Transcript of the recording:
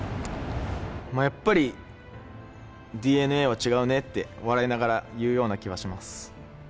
やっぱりＤＮＡは違うねって、笑いながら言うような気がします。